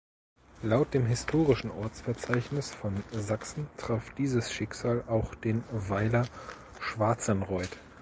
Laut dem Historischen Ortsverzeichnis von Sachsen traf dieses Schicksal auch den Weiler Schwarzenreuth.